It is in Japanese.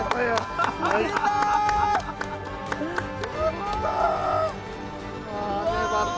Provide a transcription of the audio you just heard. やった！